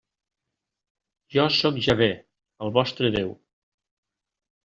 Jo sóc Jahvè, el vostre Déu.